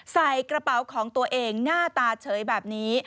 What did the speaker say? ใส่กระเป๋าของตัวเองหน้าตาเฉยแบบนี้